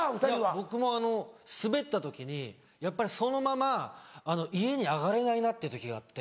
僕もスベった時にやっぱりそのまま家に上がれないなっていう時があって。